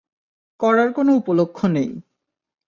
করার কোনো উপলক্ষ নেই।